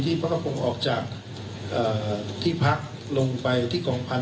ที่พระพงศ์ออกจากที่พักลงไปที่กองพัน